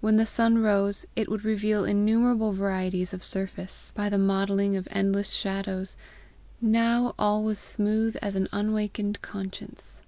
When the sun rose, it would reveal innumerable varieties of surface, by the mottling of endless shadows; now all was smooth as an unawakened conscience.